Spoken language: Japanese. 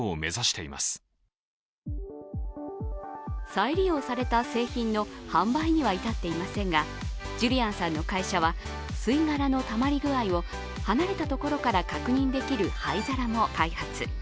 再利用された製品の販売にはいたっていませんがジュリアンさんの会社は、吸い殻のたまりぐあいを離れたところから確認できる灰皿も開発。